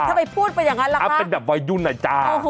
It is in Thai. ทำไมพูดไปอย่างนั้นล่ะคะอ้าวเป็นแบบวัยดุลน่ะจ้าโอ้โห